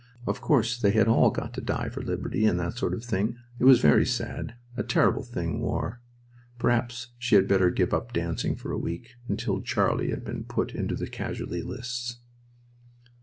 Of course they had all got to die for liberty, and that sort of thing. It was very sad. A terrible thing war!... Perhaps she had better give up dancing for a week, until Charlie had been put into the casualty lists.